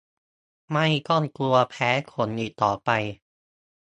ไม่ต้องกลัวแพ้ขนอีกต่อไป